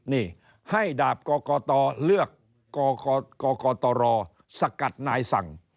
นี่ให้ดาบกตเลือกกกตรสกัดนายสั่ง